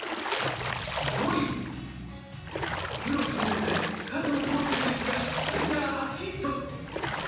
５位、プロ１０年目、加藤豪将選手がメジャー初ヒット。